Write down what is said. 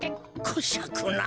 こしゃくな。